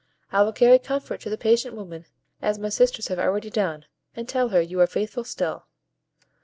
I will carry comfort to the patient woman, as my sisters have already done, and tell her you are faithful still."